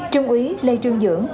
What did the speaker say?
trung ý lê trương dưỡng